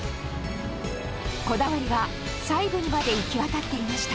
こだわりは細部にまで行き渡っていました。